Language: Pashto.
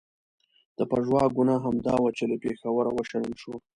د پژواک ګناه همدا وه چې له پېښوره و شړل شو.